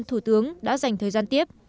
thủ tướng đã dành thời gian tiếp